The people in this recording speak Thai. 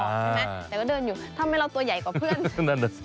อะเห็นไหมแต่ก็เดินอยู่ถ้าไม่เล่าตัวใหญ่กว่าเพื่อน